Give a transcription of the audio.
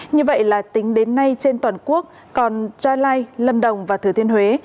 như vậy là tính đến nay trên toàn quốc còn trà lai lâm đồng và thứ thiên huế